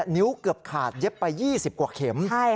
เกือบขาดเย็บไป๒๐กว่าเข็ม